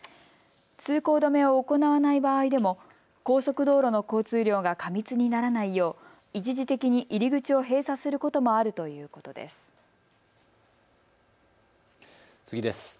通行止めを行わない場合でも高速道路の交通量が過密にならないよう一時的に入り口を閉鎖することもあるということです。